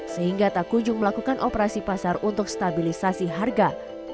sehingga tak kunjung melakukan operasi pasar untuk stabilisasi harga